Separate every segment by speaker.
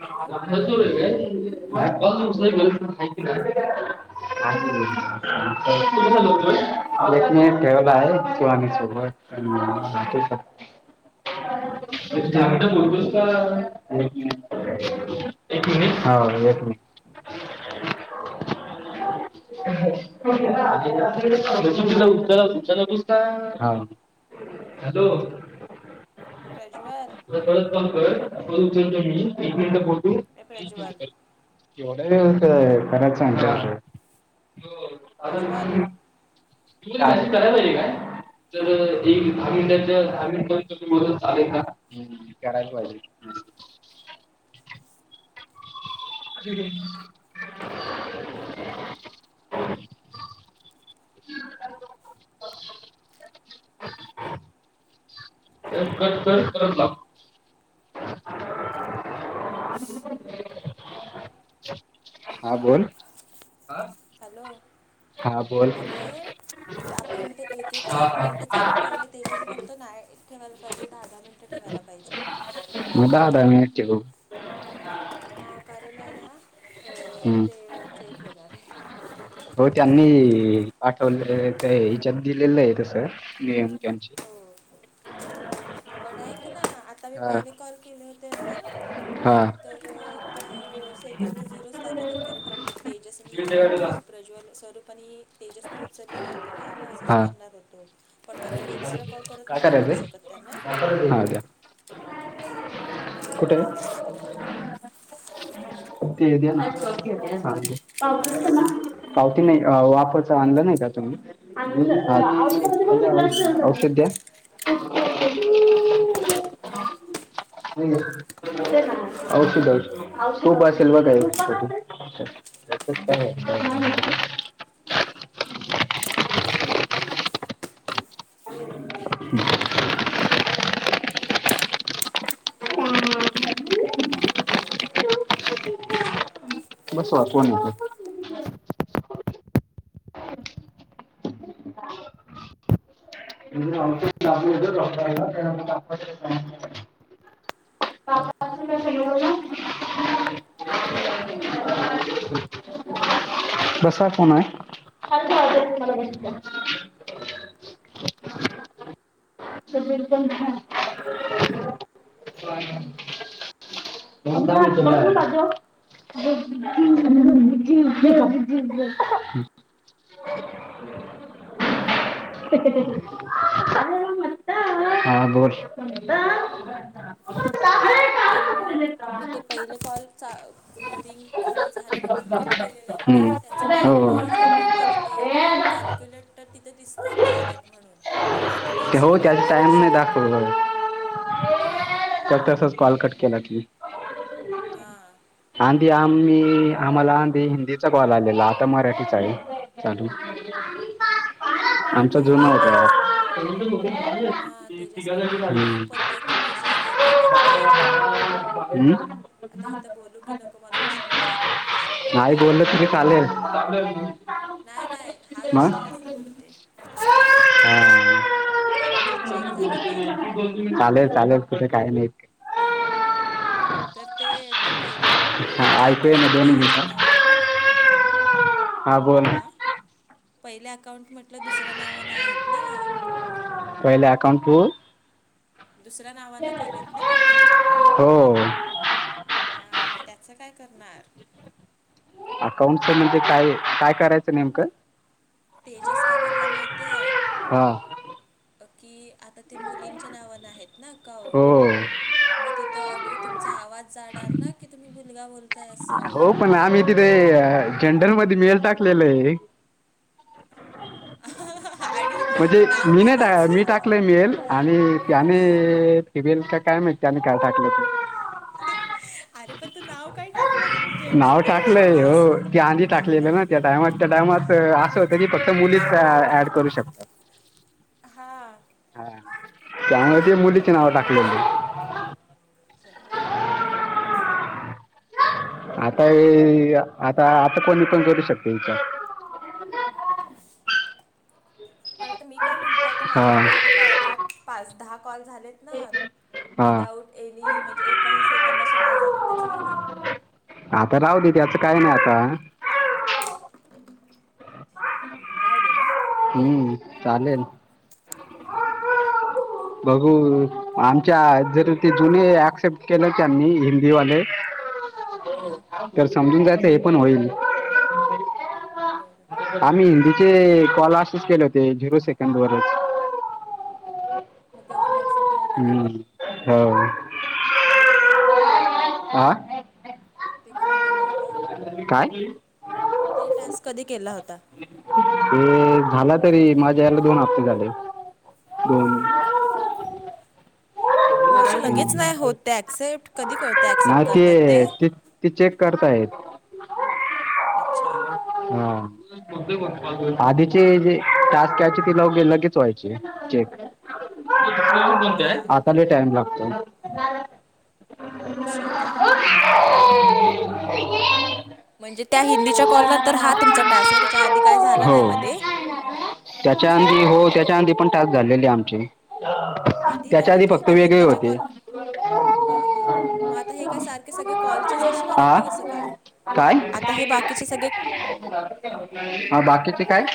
Speaker 1: Hello
Speaker 2: [inaudible] [inaudible] [inaudible] एक minute ह एक मिनिट [inaudible] [inaudible] हाव हॅलो
Speaker 1: प्रज्वल
Speaker 2: [inaudible] परत फोन कर फोन उचलतो मी एक मिनिट बोल
Speaker 1: ये प्रज्वल
Speaker 2: एवढ्या व्यवस्थ कराय
Speaker 1: प्रज्वल
Speaker 2: [inaudible] [inaudible] कराय पाहिजे काय तर एक दहा मिनिटाच्या दहा मिनिट [inaudible] चालेल का करायला पाहिजे ठीक आहे कट कर परत लाव हा बोल हा.
Speaker 1: हॅलो
Speaker 2: हा बोल
Speaker 1: अरे आपण ते एक एक चा
Speaker 2: हा
Speaker 1: मिनट चालू
Speaker 2: हा.
Speaker 1: ठेवलंय ते [inaudible] बोलतो ना ठेवायला पाहिजे दहा दहा मिनटं ठेवायला पाहिजे
Speaker 2: मग दहा दहा मीनटं ठेऊ
Speaker 1: हा कारण आहे ना अ ते चेक होणार आहे
Speaker 2: हो त्यांनी पाठवले हेज्यात दिलेलं आहे तसं नियम त्यांचे
Speaker 1: हो पण ऐक ना आता मी
Speaker 2: हा
Speaker 1: पहिले कॉल केले होते ना
Speaker 2: हा
Speaker 1: अं, तर ते सेकंद झिरो च दाखवतात कारण तेजस नी आपल प्रज्वल स्वरूप आणि तेजसने उचलले नव्हते ना आम्ही असंच
Speaker 2: हा.
Speaker 1: करणार होतो पण मग आता मी एक्स्ट्रा कॉल परत
Speaker 2: काय
Speaker 1: नाही ना करू
Speaker 2: करायचंय?
Speaker 1: शकत त्यांना
Speaker 2: हा दया कुठे ते देना हा घे पावशेरच ना पावती नाई अ वाफच आणलं नाई का तुम्ही [inaudible] औषध द्या [inaudible] औषध औषध ट्युब असेल बगा एक [unintelligible] [inaudible] बस [inaudible] [inaudible] [inaudible] बसा कोणाय [unintelligible] तर बिलकुल ह. बसुन पाजव. [unintelligible] [inaudible] अरे वा मस्त. हा बोल
Speaker 1: हम्म.
Speaker 2: [unintelligible]
Speaker 1: तर मग मी ते पहिले कॉल चा रिंग वो झाल्यानंतर कट केलेल हाइत ना.
Speaker 2: हम्म
Speaker 1: त्याचं
Speaker 2: हो
Speaker 1: टाईम नाई हे झालय म आता ते कॅल्क्युलेट तर तिथं दिसताय झालेत म्हणून. पण माझा मी.
Speaker 2: घ्या ओ
Speaker 1: एक्स्ट्रा कॉल
Speaker 2: जास्त
Speaker 1: नाही करू
Speaker 2: टाइम नइ
Speaker 1: शकत
Speaker 2: दाखवला.
Speaker 1: हो
Speaker 2: तर तसच कॉल कट केला की.
Speaker 1: हा...
Speaker 2: आंधी आमी आम्हाला आंधी हिंदीचा कॉल आलेला आता मराठीचा. [unintelligible]
Speaker 1: होय काय हा तेजस पण. हां तेजस पण
Speaker 2: हम
Speaker 1: बोलला पण ते तुम्ही जे हे
Speaker 2: [unintelligible]
Speaker 1: केलेत ना
Speaker 2: हम्..
Speaker 1: आता हीत बोलू की नको मला विश विचार प्रश्न पडला.
Speaker 2: आई बोलल तु चालेल.
Speaker 1: नायनाय हा
Speaker 2: मग
Speaker 1: विषय असं बोलतेय.
Speaker 2: हा...
Speaker 1: कारण जर चेक झालं तर.
Speaker 2: चालेल चालेल तेझ काय नाई.
Speaker 1: तर ते तू पहिले तुमच्या
Speaker 2: ऐकूया ना
Speaker 1: अकाउंट
Speaker 2: दोन
Speaker 1: हेच्या
Speaker 2: मिनिटं.
Speaker 1: नावान आहेत ना.
Speaker 2: हा बोल..
Speaker 1: हा पहिले अकाउंट म्हटलं दुसऱ्या नावानं आहेत ना.
Speaker 2: पहिले अकाउंट तु.
Speaker 1: दुसऱ्या नावान केलेत ना तुम्ही.
Speaker 2: हो.
Speaker 1: हा म ग याचं काय करणार.
Speaker 2: अकाउंटच म्हणजे काय काय करायचं नेमकं.
Speaker 1: तेजस काय बोल्ला माहितीए.
Speaker 2: हां...
Speaker 1: की आता ते मुलींच्या नावानें आहेत ना
Speaker 2: हो
Speaker 1: अकाउंट. मग तित ऑड तुमचा आवाज जाणार ना की तुम्ही मुलगा बोलतो.
Speaker 2: हो पण आमी तिते जेंडल मध्ये मेल टाकलेले. [inaudible]
Speaker 1: आणि
Speaker 2: म्हणजे
Speaker 1: नाव
Speaker 2: मी नाही
Speaker 1: मुलाचं
Speaker 2: टाकले मेल आणि त्याने.
Speaker 1: हा
Speaker 2: टिल काय माहिती काय टाकलं.
Speaker 1: अरे, पण तू नाव काय टाकलंयच.
Speaker 2: नाव टाकलंय हो. ती आंधी टाकलेलं ना त्या टायमात त्या टायमात असं होतं की फक्त मुलीच ऍड करू शकतात.
Speaker 1: हां...
Speaker 2: हा त्यामुळे ते मुलीची नाव टाकले. [unintelligible] आता हे आता - आता कोणी कोण करू शकते विचार. हो ना
Speaker 1: पण आता मी काय म्हणते. आता
Speaker 2: हा
Speaker 1: माझे ते पहिले, आठ पाच दहा कॉल झाले.
Speaker 2: हा
Speaker 1: विदाउट एनी म्हणजे एकेकाही सेकंद असे नाही झाले त्याचं काय करू?
Speaker 2: आता राह दे त्याचं काय नाही आता. ह
Speaker 1: राह दे ना.
Speaker 2: हम्म, चालेल. बघू आमच्या जर ते जुने ऍक्सेप्ट केले त्यांनी हिंदीवाले
Speaker 1: हां
Speaker 2: तर, समजून जायचं हे पण होईल.
Speaker 1: बरं.
Speaker 2: आम्ही हिंदीचे कॉल असेचं केले होते झिरो सेकंड वरच.
Speaker 1: मग अजून क्से
Speaker 2: हम्म, हो.
Speaker 1: कधी केलं होतं ते
Speaker 2: हा
Speaker 1: - ते कधी केलं होतं.
Speaker 2: काय?
Speaker 1: ते टास्क, कधी केला होता?
Speaker 2: ते झाला तरी माझ्या याला दोन हप्ते झाले दोन.
Speaker 1: म - असे लगेच नाही होत ते ॲक्सेप्ट कधी करत
Speaker 2: म - ते - ते - ते चेक करता येतं.
Speaker 1: अच्छा,
Speaker 2: हा. आधीचे जे टास्क क्यायचे ती लगेच व्हायचे चेक.
Speaker 1: हां
Speaker 2: आता लई टाइम लागतो.
Speaker 1: असे काय? म्हणजे, त्या हिंदीच्या कॉल नंतर हा तुमचा टास आहे त्याच्या आधी
Speaker 2: हो.
Speaker 1: नाही मध्ये
Speaker 2: त्याच्या
Speaker 1: अच्छा,
Speaker 2: आधी हो त्याचा आधी तो पण टास्क, झालेले आमचे.
Speaker 1: आधी नाही
Speaker 2: त्याच्या
Speaker 1: म्हणजे,
Speaker 2: फक्त
Speaker 1: त्या
Speaker 2: वेगळे
Speaker 1: हिंदीच्या
Speaker 2: होते.
Speaker 1: कॉलना हा - हा मग आता हे काय सारखे सगळे कॉल असणार आहेत
Speaker 2: हा
Speaker 1: की कसं काय?
Speaker 2: काय
Speaker 1: आता हे, बाकीचे सगळे
Speaker 2: हा बाकीचे काय?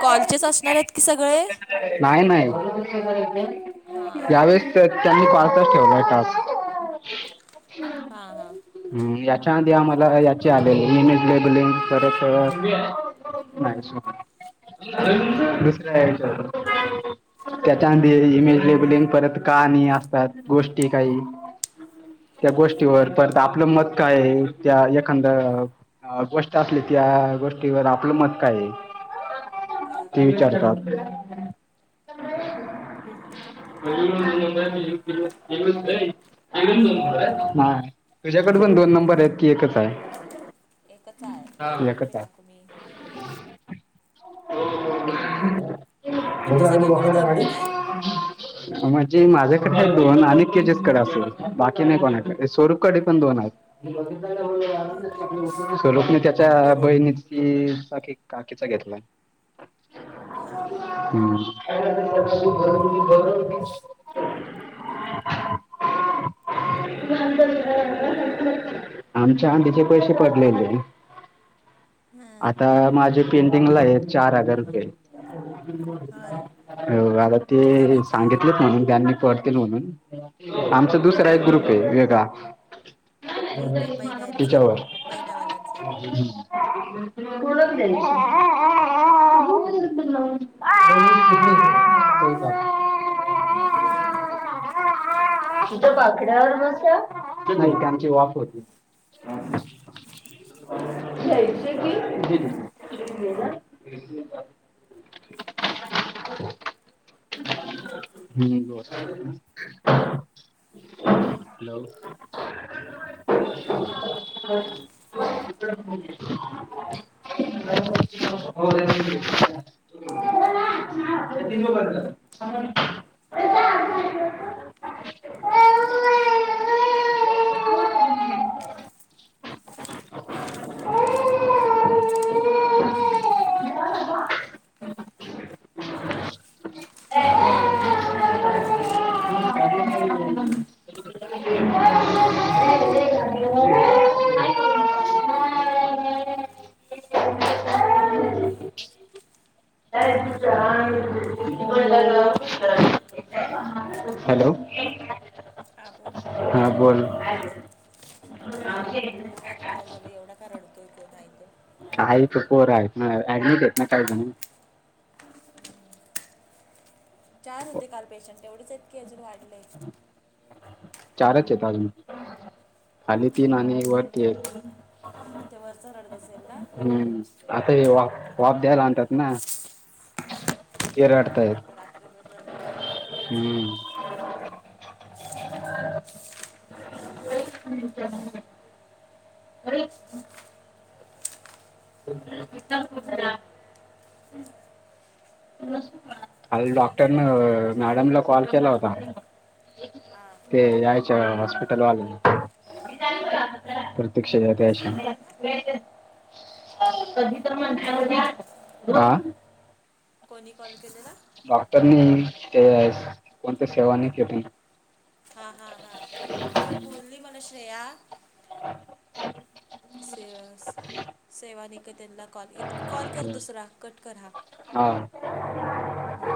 Speaker 1: कॉलचेचं असणार आहेत की सगळे?
Speaker 2: नाही - नाही
Speaker 1: हां
Speaker 2: यावेळेसं त्यांनी परसा ठेवलाय टास्क.
Speaker 1: हा हा.
Speaker 2: हम् याच्या आधी आम्हाला याचे आले ईमेल लेबलिंग परत. नाही दुसऱ्या याच्या [inaudible] त्याच्यामध्ये ईमेल लेबलीन परत का नाही असतात गोष्टी काही त्या गोष्टीवर परत आपलं मत काय आहे? त्या एखादा ह, गोष्ट असली त्या गोष्टीवर आपलं मत काय हे?
Speaker 1: हा.
Speaker 2: विचारतात.
Speaker 1: हां
Speaker 2: [unintelligible] तुझ्याकडं पण दोन नंबर आहेत की एकचं हाय?
Speaker 1: एकचायं दोन कुठले टाकू मी? तुमचे सगळ्यांकडे दोन दोन आहेत
Speaker 2: [unintelligible] [inaudible] म्हणजे माझ्याकडं हाय दोन, आणि तेजसकडे असंल. बाकी नाय कोणाकडं स्वरूप कडे पण दोन आहेत.
Speaker 1: होय काय
Speaker 2: स्वरूपने त्याच्या
Speaker 1: बरं
Speaker 2: बहिणी चा कि, काकीचा घेतलायं.
Speaker 1: आहे हां हां
Speaker 2: [inaudible] [inaudible] आमच्या आंधीचे पैसे पडलेले.
Speaker 1: हां
Speaker 2: आता माझे पेंडिंगला आहेत, चार हजार रुपये.
Speaker 1: हल
Speaker 2: हो, आता
Speaker 1: चार
Speaker 2: ते
Speaker 1: हजार
Speaker 2: सांगितलं त्यांनी, त्यांनी करतील म्हणून. आमचा
Speaker 1: हा
Speaker 2: दुसरा एक ग्रुपयं, वेगळा.
Speaker 1: एक काय पहिल्यांचा
Speaker 2: तिच्यावर. [inaudible] [inaudible]
Speaker 1: पहिल्यावाल्यांचा
Speaker 2: इथं बाकड्यावर बसा. ते नाय, त्यांची वाफ होती. [inaudible] [inaudible] Hello [inaudible] [unintelligible] [unintelligible] hello [inaudible] hello.
Speaker 1: हा बोल.
Speaker 2: हा बोल.
Speaker 1: काय रे काय झालं, एवढा का रडतोय, कोण हाय तो?
Speaker 2: हा इथं पोर आहेत ना, ऍडमिट आहेत ना काय जणं.
Speaker 1: चार होते काल पेशंट, एवढेच आहेत की, अजून वाढले?
Speaker 2: चारंच येत अजून, खाली तीन आणि वरती एक.
Speaker 1: म ते वरचं रडत असेल. ना
Speaker 2: हूं, आता हे वाफ,
Speaker 1: ते
Speaker 2: वाफ
Speaker 1: रात्र
Speaker 2: द्यायला आणतात ना. ते रडतायेत,
Speaker 1: ते तर रात्रभर रडतंय ते
Speaker 2: हूं.
Speaker 1: वरचं
Speaker 2: [unintelligible] [unintelligible] काल,
Speaker 1: रिक्वायरमेंट किती कंप्लीट
Speaker 2: डॉक्टरनं
Speaker 1: झाल्या रे
Speaker 2: मॅडमला कॉल केला होता.
Speaker 1: हां.
Speaker 2: ते यायच्या हॉस्पिटल वाल्या
Speaker 1: हॉस्पिटलवाला
Speaker 2: [unintelligible] कधी तर माणसावानी,
Speaker 1: कोणी
Speaker 2: आ?
Speaker 1: कोणी कॉल केलेला?
Speaker 2: डॉक्टरनी, ते कोणत्या सेवानिकेतन
Speaker 1: हां हां हां. हो, बोलली मला श्रेया
Speaker 2: [inaudible]
Speaker 1: से सेवानिकेतनला कॉल य कॉल कर दुसरा कट कर हा.
Speaker 2: हां.
Speaker 1: हम्म.